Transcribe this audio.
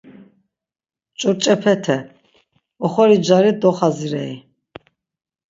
Ç̌urç̌epete… Oxori cari doxazirey.